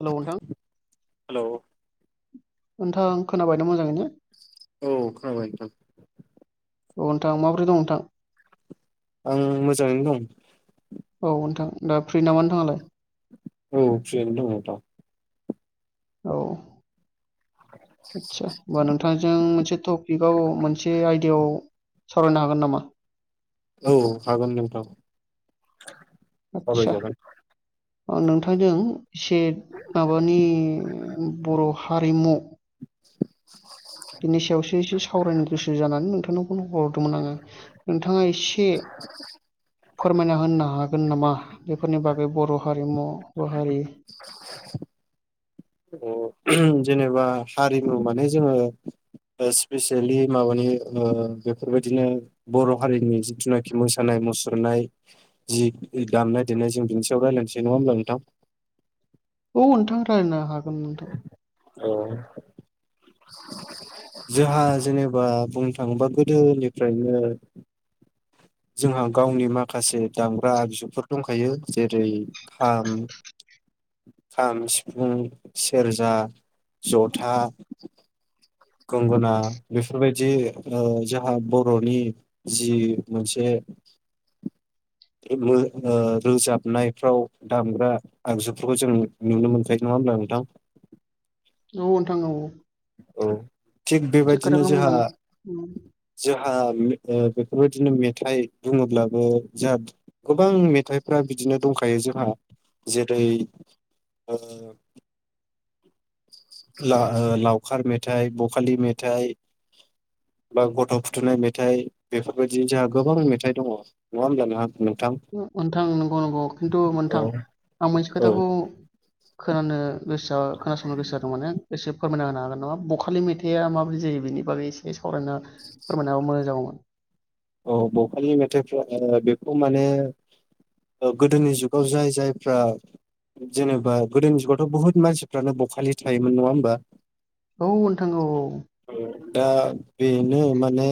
हेल' नोंथां हेल' [inaudible] नोंथां खोनाबाय ना मोजाङैनो? औ खोनाबाय नोंथां अ' नोंथां माब्रै दं नोंथां? आं मोजाङैनो दं । औ नोंथां दा फ्रि नामा नोंथाङालाय? औ फ्रियानो दं नोंथां औ आतसा होनबा नोंथांजों मोन टपिकआव मोनसे आयदायाव सावरायनो हागोन नामा? औ, हागोन नोंथां। सावराय जागोन अ नोंथांजों एसे माबानि बर' हारिमु बिनि सायावसो एसे सावरायनो गोसो जानानै नोंथांनाव फन हरदोंमोन आङो नोंथाङा एसे फोरमायना होनो हागोन नामा बेफोरनि बागै बर' हारिमु बर' हारि [inaudible] अ जेनेबा हारिमु माने जोङो स्पेसियेलि माबानि ओ बेफोरबायदिनो बर' हारिनि जिथुनाखि मोसानाय-मुसुरनाय जि दामनाय-देनाय जों बिनि सायाव रायजलायनोसै। नङा होमब्ला नोंथां? औ नोंथां रायलायनो हा गोन नोंथां। ओ जोहा जेनेबा बुंनो थाङोबा गोदोनिफ्रायनो जोंहा गावनि माखासे दामग्रा आगजुफोर दं खायो ।जेरै-खाम, सिफुं, सेरजा, जथा, गंगोना बेफोरबायदि ओ जाहा बर'नि जि मोनसे ओ रोजाबनायफ्राव दामग्रा आगजुफोरखौ जों नुनो मोनखायो ।नङा होमब्ला नोंथां? औ नोंथां औ औ थिग बेबायदिनो खोथाखौनो बुंदों उम, जोहा-जोहा मे ओ बेफोर बायदिनो मेथाइ बुङोब्लाबो जोंहा गोबां मेथाइफ्रा बिदिनो दंखायो जोंहा जेरै ओ लावखार मेथाइ, बखालि मेथाइ बा गथ' फुथुनाय मेथाइ बेफोरबायदि जोंहा गोबां मेथाइ दङ। नङा होमब्ला नों मोनथां नंगौ नंगौ खिन्थु मोनथां औ आं मोनसे औ खोथाखौ खोनानो गोसोआ खोनासंनो गोसो जादों माने एसे फोरमायना होनो हागोन नामा? ब'खालि मेथाइआ माबायदि जायो बेनि बागै एसे सावरायना फोरमायना होबा मोजां जागौमोन। औ ब'खालि मेथाइफ्रा ओ बेखौ माने ओ गोदोनि जुगाव जाय जायफ्रा जेनेबा गोदोनि जुगावथ' बुहुत मानसिफ्रानो ब'खालि थायोमोन। नङा होनबा? औ नोंथां औ औ दा बेनो माने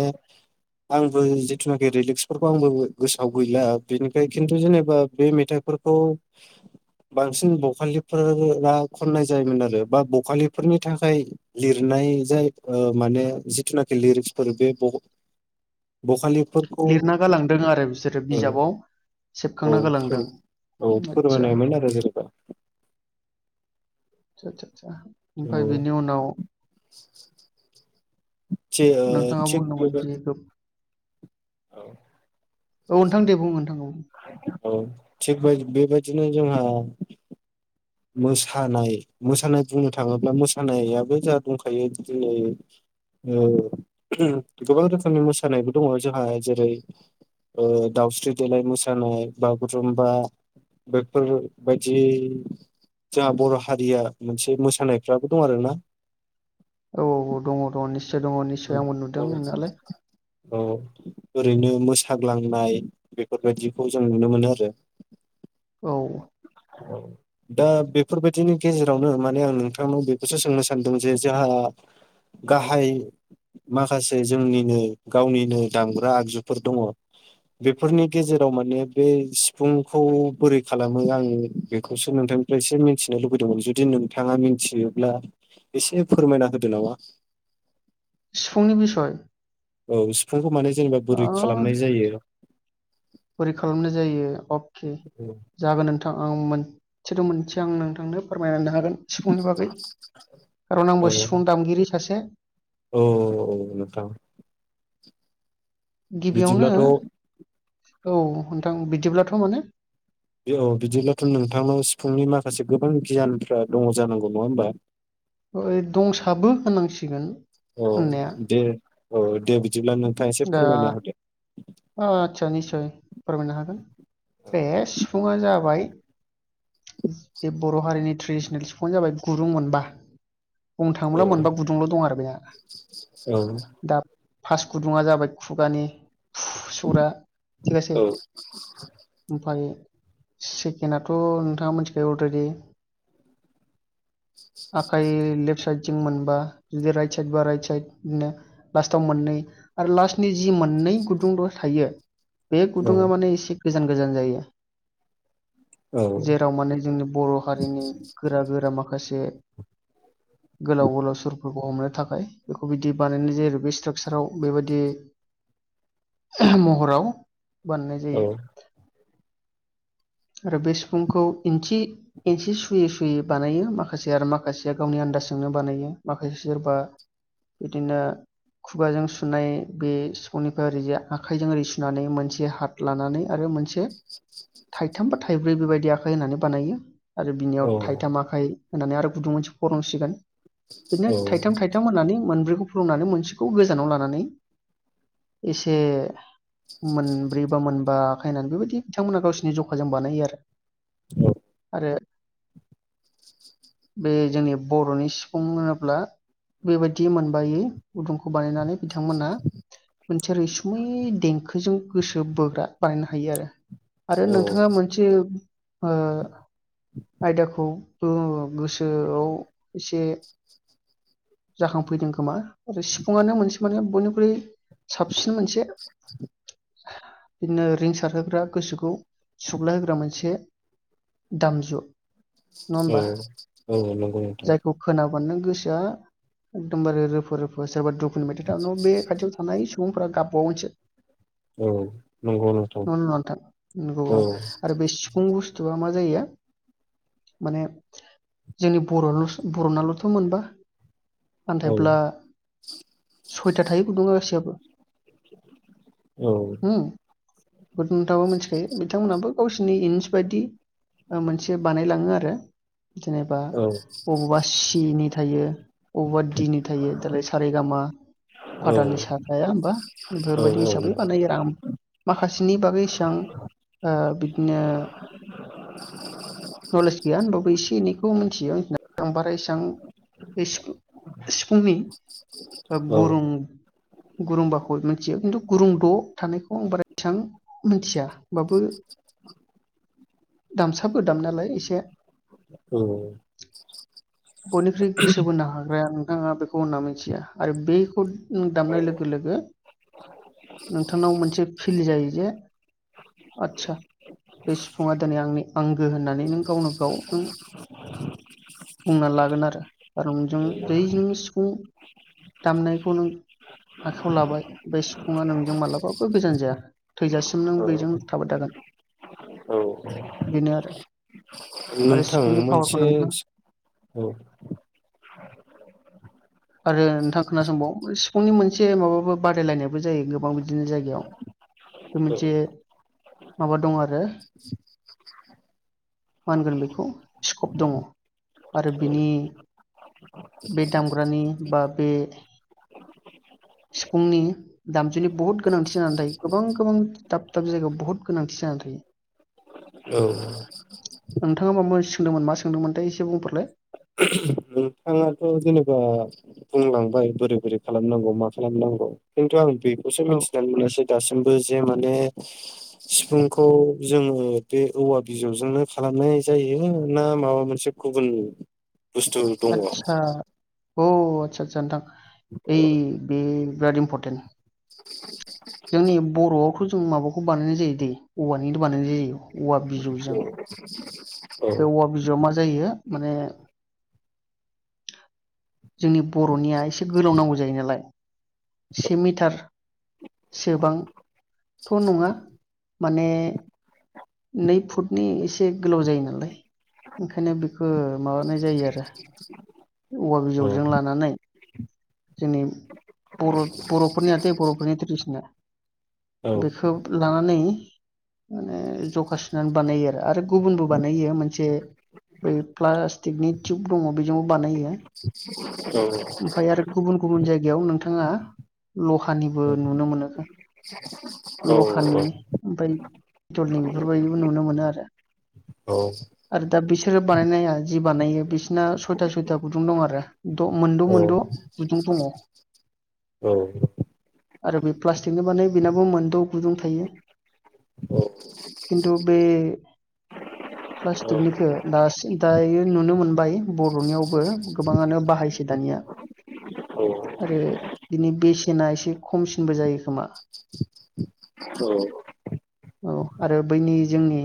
आं बो जिथुनाखि लिरिक्सफोरखौ आंबो गोसोआव गैया बेनिखाय खिन्थु जेनेबा बे मेथाइफोरखौ बांसिन बखालिफोरा खननाय जायोमोन आरो बा बखालिफोरनि थाखाय लिरनाय जाय माने ओ जिथुनाखि लिरिक्सफोर बे बखालि लिरना गालांदों आरो बिसोरो बिजाबाव औ सेबखांना गालांदों। औ आदसा फोरमायनायमोन आरो जेनेबा आतसा आतसा ओमफ्राय औ बेनि उनाव थि ओ नोंथाङा बुंदोंमोन ज औ औ नोंथां दे बुं नोंथां बुं औ थिख बेबायदिनो जोंहा मोसानाय मोसानाय बुंनो थाङोब्ला मोसानायाबो जा दंखायो दिनै ओ गोबां रोखोमनि मोसानायबो दङ जोंहा जेरै दाउस्रि देलाय मोसानाय बागुरुमबा बेफोरबायदियै जोंहा बर' हारिया मोनसे मोसानायफ्राबो दं आरोना औ औ दङ दङ गोसो दङ निसय आंबो नुदों नोंनालाय औ ओरैनो मोसाग्लांनाय बेफोरबायदिखौ जों नुनो मोनो आरो औ दा बेफोरबायदिनि गेजेरावनो माने आं नोंथांनाव बेखौसो सोंनो सानदों जे जोंहा गाहाय माखासे जोंनिनो गावनिनो दामग्रा आगजुफोर दङ बेफोरनि गेजेराव माने बे सिफुंखौ बोरै खालामो आङो बेखौसो नोंथांनिफ्राय एसे मिथिनो लुबैदोंमोन जुदि नोंथाङा मिथियोब्ला एसे फोरमायना होदो नामा सिफुंनि बिसय औ सिफुंखौ माने जेनेबा बोरै ओ खालामनाय जायो औ बोरै खालामनाय जायो अफ अके जागोन नोंथां आं मोन सोदोब‌ मोनसे आं नोंथांनो फोरमायलांनो हागोन सिफुंनि बागै खारन औ आंबो सिफुं दामगिरि सासे औ नोंथां गिबियावनो बिदिब्लाथ' औ नोंथां बिदिब्लाथ' मोनो बे औ बिदिब्लाथ' नोंथांनाव सिफुंनि माखासे गोबां गियानफ्रा दङ जानांगौ नङा होमबा औ दंसाबो होनांसिगोन औ दे औ दे बिदिब्ला नोंथाङा एसे फोरमायना हरदो आचसा निस्सय फोरमायनो हागोन बे सिफुंआ जाबाय बे बर' हारिनि ट्रेडिसनेल सफुंआनो जाबाय गुदुं मोनबा बुंनो औ थाङोब्ला मोनबा गुदुंल' दं आरो बेना औ दा फार्स गुदुङा जाबाय खुगानि फु सौरा थिगासेै ओमफाय सेखेनाथ ' नोथाङा मोनथिखागौ अलरेडि आखाइ लेप्त साइथजों मोनबा राइथ साइथबा राइथ साइथ आरो लास्थाव मोननै आरो लास्थनि जि मोननै गुदुंद' थायो बे औ गुदुंङा माने इसे गोजान गोजान जायो। औ जेराव माने जोंनि बर' हारिनि गोरा गोरा माखा माखासे गोलाव गोलाव सुरफोरखौ हमनो थाखाय बेखौ बिदि बानायनाय जायो आरो बे स्ट्राकसाराव बेबायदि महराव बानायनाय जायो। आरो बे सिफुंखौ इनथि इंसि सुयै सुयै सुैयै बानायो माखासे आरो माखासेया गावनि आन्दाजजोंनो बानायो माखासे सोरबा बिदिनो खुगाजों सुनाय बे सिफुंनिफ्राय ओरैजाय आखाइजों ओरै सुनानै मोनसे हाथ लानानै आरो मोनसे थाइथाम बा थाइब्रै बेबायदि दि आखाय होननानै बानायो। आरो बिनियाव थाइथाम आखाइ होननानै आरो गुदुं मोनसे फलंसिगोन बिदिनो औ थाइथाम थाइथाम होननानै मोनब्रै बोफ्लंनानै मोनसेखौ गोजानाव लानानै से मोनब्रै बा मोनबा खायनानै बेबायदि बिथांमोना गावसिरनि जखाजों बानायो आरो। औ बे जोंनि बरनि सिफुं होनोब्ला बेबायदि मोनबायै गुदुंखौ बानायनानै बिथांमोना रैसुमै देंखोजों गोसो बोग्रा बानायनो हायो आरो। आरो औ नोंथांङा मोनसे ओ आयदाखौ गोसोआव एसे जाखांफैदों खोमा? आरो सिफुंआनो मोनसे माने बनिख्रुइ साबसिन मोनसे [inaudible] बिदिनो रिंसारहोग्रा गोसोखौ सुग्लाय होग्रा मोनसे दामजु नङा औ होमबा औ नंगौ नोंथां। नों गोसोआ एखदम बारे रोफो रोफो जोबोद दु होनबायथाय बे खाथियाव फ्राय सुबुंफोरा गाबबावगोनसो औ नंगौ नोंथां नोंगौ ना नङा नोंथां नोंगौ औ आरो बे सिफुं बुस्थु आ मा जायो माने जोंनि बर बरनालथ मोनबा औ आन्थायब्ला सयथा थायो गुदुंङा औ [inaudible] ओ बेखौ नोंथांमोनाबो मिथिखायो बिथांमोनाबो गावसिरनि इन्स बायदि मोनसे बानायलाङो आरो जेनेबा औ अबावबा सि नि थायो अबावबा दि नि थायो दालाय सारे गाामा फा दानि सा बेफोरबायदि हिसाबै बानाय माखासेनि बागै इसां बिदिनो नलेज गैया ओमबाबो एसे एनैखौ मिथियोनानै आं बारायसां सिफुंनि गुरुं गुरुंबाखौ मिथियो खिन्थु गुरुंद' थानायखौ आं बारा बेसेबां मोनथिया बाबो दामसाबो दाम नायालाय एसे बयनिख्रुइ गोसो बोनो हाग्राया ओ आ बेखौ होनना मिथिया आरो बेखौ दामनाय लोगो लोगो नोंथांनाव मोनसे फिल जायो जे आदसा बे सिफुङा दिनै आंनि आंगो होननानै नों गावनो गाव नों बुंना लागोन आरो खारंजों औ जैजों सिफुं दामनायखौ नों आखायाव लाबाय बे सिफुङा नोंजों मालाबाबो गोजान जाया थैजासिम नों औ बेजों थाबाय थागोन औ बेनो आरो आरो नोंथां सिफुंनि पावारखौ मोनसे नोंथाङा सि औ आरो नोंथां खोनासंबाव सिफुंनि मोनसे माबाबो बादायलायनायबो जायो गोबां बिदिनो जायगायाव बे मोनसे माबा दङ आरो मा होनगोन बेखौ स्कप दङ आरो बिनि बे दाम फरानि बा बे सिफुंनि दामजुनि बुहुत गोनांथि जानानै दायो गोबां गोबां दाब दाब जायगायाव बहुत गोनांथि जानानै थायो औ नोंथाङा माबा सोंदोंमोन मा सोंदोंमोनथाय एसे बुंफोरलाय नोंथाङाथ' जेनेबा बुंलांबाय बोरै बोरै खालामनांगौ मा खालामनांगौ खिन्थु आं बेखौसो औ मिथिनानै मोनासै दासिम जे माने सिफुंखौ जोङो बे औवा बिजौजोंनो खालामनाय जायो ना माबा मोनसे गुबुन बुस्थु दङ औ आतसा अ आतसा जानथां बे बिराद इमर्पटेन्ट [unintelligible] खौ जों माबाखौ बानायनाय जायो दै औवानिनो बानायनाय जायो औवा बिजौजों [unintelligible] बे औवा बिजौआ मा जायो माने जोंनि बर'निया एसे गोलाव नांगौ जायो नालाय। से मिटार सोबां थ' नङा माने नै फुटनि एसे गोलाव जायो नालाय ओंखायनो बेखौ माबानाय जायो आरो औवा औ बिजौजों लानानै जोंनि बर' बर'फोरनियाथाये बर'फोरनि ट्रेडिसना। औ बेखौ लानानै [inaudible] बानायो आरो गुबुनबो बानायो मोनसे बै प्लास्टिकनि टिउब दङ बेजोंबो बानायो। [unintelligible] ओमफ्राय आरो गुबुन औ। गुबुन जायगायाव नोंथाङा लहानिबो नुनो मोनोखा [inaudible] लहानि ओमफाय [inaudible] बेफोरबायदिबो नुनो मोनो आरो आरो दाब बि बिसोरो बानायनाया जि बानायो बिसिना सयथा सयथा गुदुं दं आरो द मोनद' मोनद' औ औ गुदुं दङ। औ। आरो बे प्लास्टिकनि बानाय बेनाबो मोनद' गुदुं थायो। खिन्थु बे [inaudible] प्लास्टिकनिखौ दासिन दायो नुनो मोनबाय बर'नियाव बो गोबाङानो बाहायसै दानिया आरो दिनै जेना एसे खमसिनबो जायो खोमा। औ। औ। आरो बैनि जोंनि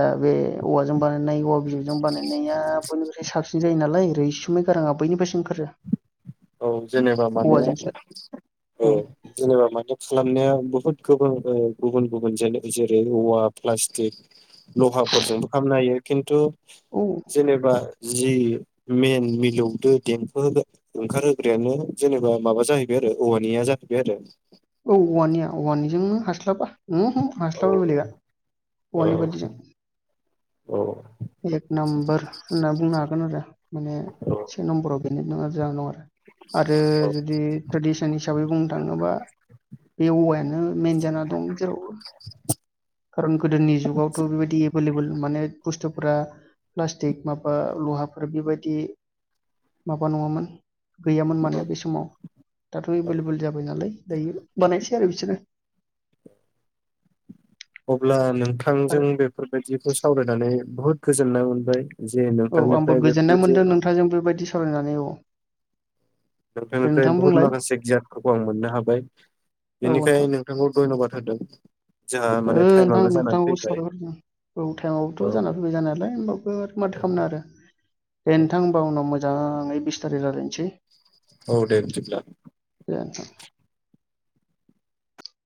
ओ बे औवाजों बानाय नाय औवा बिजौजों बानायनाया बयनिफ्राय साबसिन जायो नालाय रैसुमै गाराङा बैनिफ्रायसो ओंखारो। औ जेनेबा माने औवाजोंसो औ जेनेबा माने खालामनाया बहुद गोबां ओ गुबुन गुबुन जानो जेरै औवा प्लास्टिक लहाफोरजोंबो खालामनो हायो। खिन्थु औ जेनेबा जि मेन मिलौदो देंफो ओंखार होग्रायानो जेनेबा माबा जाहैबाय आरो औवानिया जाहैबाय आरो। हासला बा उमहो हास्लाब बेलेखआ औ औवानि बदिजों। औ। एक नाम्बार होनना बुंनो हागोन आरो माने औ से नाम्बराव बे [unintelligible] आरो जुदि ट्रेडिसन हिसाबै बुंनो थाङोबा बे औवायानो मेन जाना दं जेरावबो खारन गोदोनि जुगावथ' बेबायदि एभेलेबल माने बुस्थु। पुरा प्लास्टिक माबा लहाफोर बेबायदि माबा नङामोन। गैयामोन मानोे बै समाव दाथ' एभेलेबल जाबाय नालाय। दायो बानायायसै आरो बिसनो। अब्ला नों। थांजों बेफोरबायदिखौ सावरायनानै। बुहुद गोजोननाय मोनबाय। जे औ आंबो नोंथांनिफ्राय गोजोननाय बेफोरबायदि मोनदों नोंथांजों बेबायदि सावरायनानै औ। दे नोंथांनिफ्राय नोंथां बुहुत बुंलाय माखासे गियानखौबो आं मोननो हाबाय औ नोंथां बेनिखाय नोंथांखौ धन्यबाद। होदों। जोंहा ओ माने नोंथां टाइमाबो जानानै नोंथांऔबो फैबाय साबायखर होनो औ औ टाइमाबोथ' जाना फैबाय जानायालाय होमबावबो आरो माथो खालामनो आरो दे नोंथां होमबा उनाव मोजाङै बिस्थारि रायलायनि। सि। औ दे बिदिब्ला। [inaudible]